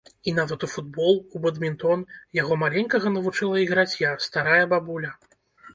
І нават у футбол, у бадмінтон яго маленькага навучыла іграць я, старая бабуля.